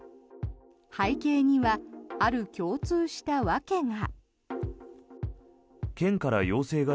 背景にはある共通した訳が。